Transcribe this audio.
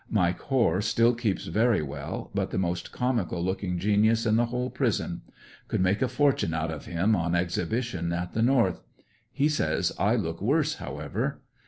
Mike Hoare still keeps very well, but the most comical looking genius in the whole prison. Could make a fortune out of him on exhibition at the North. He says I looR worse however.